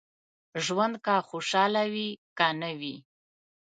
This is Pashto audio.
ژوند که خوشاله وي که نه وي.